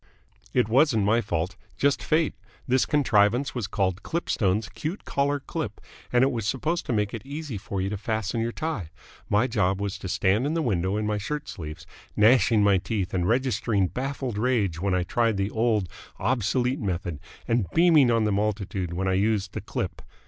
"It wasn't my fault. Just Fate. This contrivance was called Klipstone's Kute Kollar Klip, and it was supposed to make it easy for you to fasten your tie. My job was to stand in the window in my shirt sleeves, gnashing my teeth and registering baffled rage when I tried the old, obsolete method and beaming on the multitude when I used the Klip.